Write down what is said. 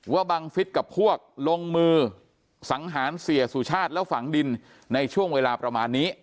บังฟิศกับพวกลงมือสังหารเสียสุชาติแล้วฝังดินในช่วงเวลาประมาณนี้